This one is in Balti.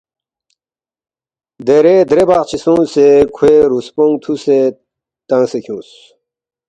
دیرے درے بقچی سونگسے کھوے رُوسپونگ تُھوسے تنگسے کھیونگس